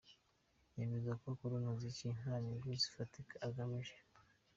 Yemeza ko akora umuziki nta nyungu zifatika agamije.